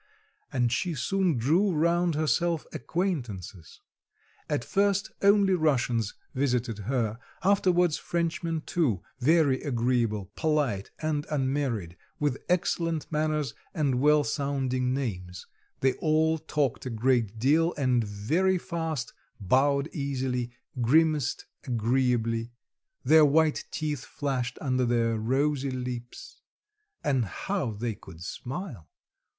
And she soon drew round herself acquaintances. At first, only Russians visited her, afterwards Frenchmen too, very agreeable, polite, and unmarried, with excellent manners and well sounding names; they all talked a great deal and very fast, bowed easily, grimaced agreeably; their white teeth flashed under their rosy lips and how they could smile!